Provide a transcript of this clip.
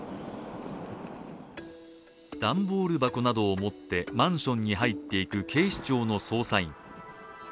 段ボール箱などを持ってマンションに入っていく警視庁の捜査員。